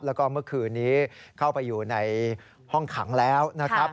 แล้วก็เมื่อคืนนี้เข้าไปอยู่ในห้องขังแล้วนะครับ